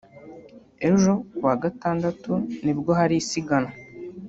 ejo (kuwa Gatandatu) nibwo hari isiganwa